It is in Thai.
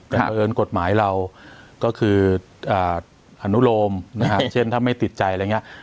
แต่เผอิญกฎหมายเราก็คืออนุโรมนะครับเช่นถ้าไม่ติดใจอะไรอย่างเงี้ย